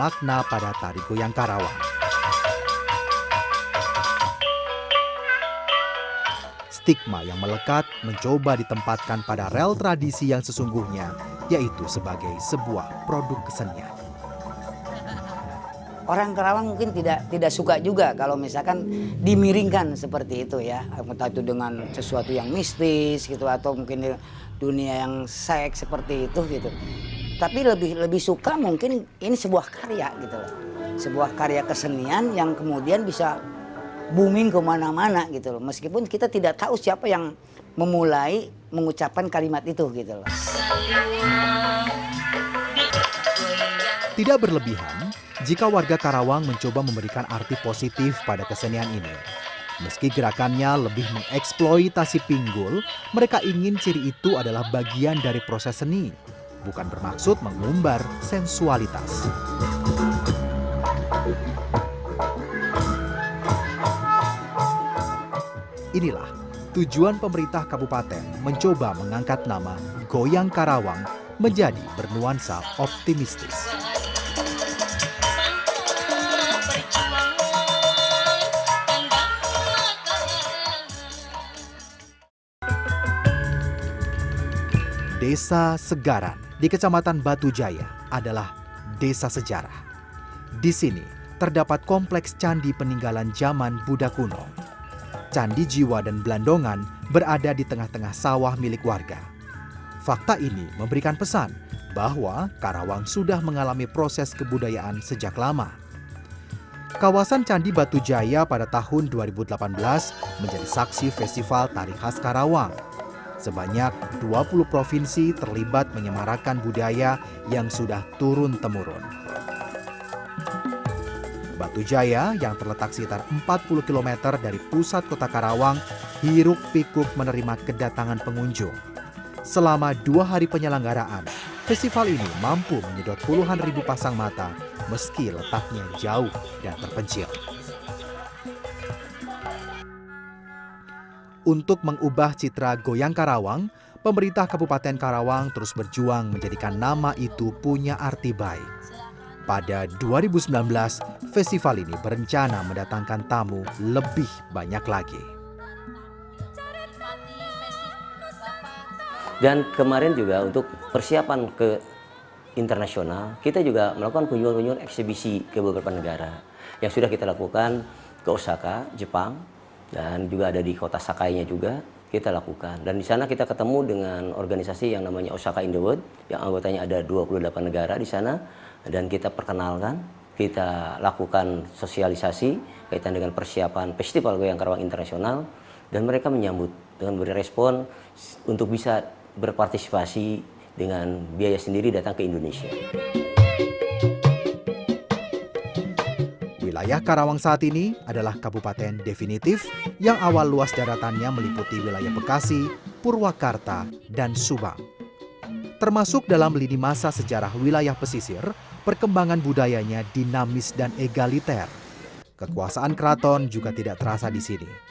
karawang menurut letak lokasinya adalah zona antara saat pengaruh kolonialisme masuk kawasan ini